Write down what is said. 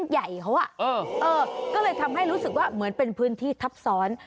ให้รู้สึกว่าเหมือนเป็นพื้นที่ทับซ้อน